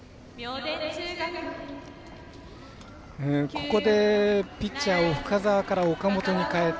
ここでピッチャーを深沢から奥田に代えた。